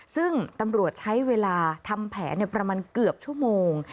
ซึ่งตำรวจใช้เวลาทำแผนประมาณเกือบชั่วโมง